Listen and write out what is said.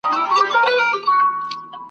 د رنګینۍ په بېلتانه کي مرمه ..